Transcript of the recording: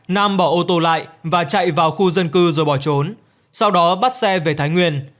nam bỏ ô tô lại và chạy vào khu dân cư rồi bỏ trốn sau đó bắt xe về thái nguyên